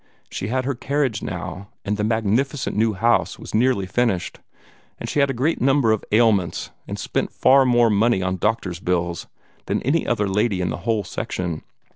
She had her carriage now, and the magnificent new house was nearly finished, and she had a greater number of ailments, and spent far more money on doctor's bills, than any other lady in the whole section.